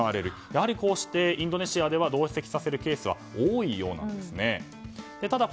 やはり、こうしてインドネシアで同席させるケースは多いようなんですね。